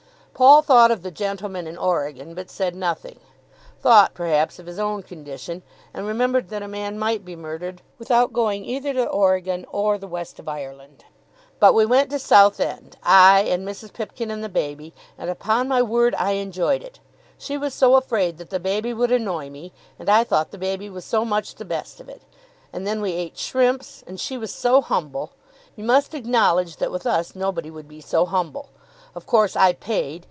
Paul thought of the gentleman in Oregon, but said nothing; thought, perhaps, of his own condition, and remembered that a man might be murdered without going either to Oregon or the west of Ireland. "But we went to Southend, I, and Mrs. Pipkin and the baby, and upon my word I enjoyed it. She was so afraid that the baby would annoy me, and I thought the baby was so much the best of it. And then we ate shrimps, and she was so humble. You must acknowledge that with us nobody would be so humble. Of course I paid.